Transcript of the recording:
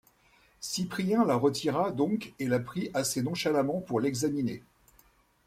Cyprien la retira donc et la prit assez nonchalamment pour l’examiner.